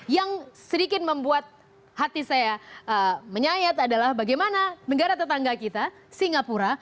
yang sedikit membuat hati saya menyayat adalah bagaimana negara tetangga kita singapura